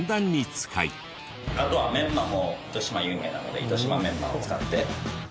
あとはめんまも糸島有名なので糸島めんまを使って。